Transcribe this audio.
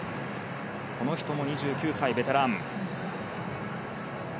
この人も２９歳、ベテラン。